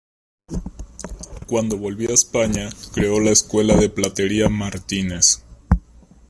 Cuando volvió a España creó la "Escuela de Platería Martínez".